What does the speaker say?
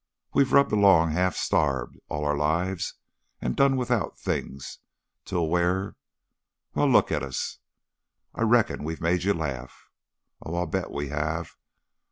We've rubbed along, half starved, all our lives, an' done without things till we're Well, look at us! I reckon we've made you laugh. Oh, I bet we have!